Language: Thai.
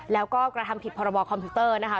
แล้วก็กระทำผิดพรบคอมพิวเตอร์นะคะ